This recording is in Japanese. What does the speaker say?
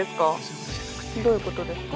どういうことですか？